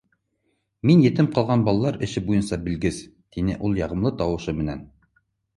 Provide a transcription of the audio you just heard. — Мин етем ҡалған балалар эше буйынса белгес, — тине ул яғымлы тауышы менән.